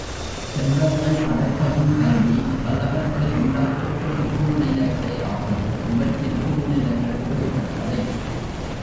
செல்வர்களைப் படைப்பதும் கல்வி வல்லவர்களை உண்டாக்குவதும் சூழ்நிலைகளே ஆகும் இவற்றின் சூழ்நிலைகள் வேறுபட்டவை.